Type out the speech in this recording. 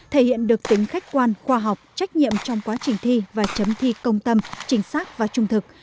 thể hiện được tính khách quan khoa học trách nhiệm trong quá trình thi và chấm thi công tâm chính xác và trung thực